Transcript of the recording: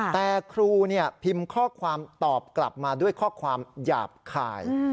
แต่ครูพิมพ์ข้อความตอบกลับมาด้วยข้อความหยาบคาย